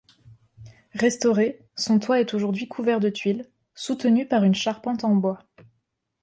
Restaurée, son toit est aujourd'hui couvert de tuiles, soutenu par une charpente en bois.